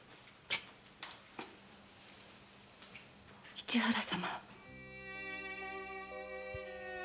市原様。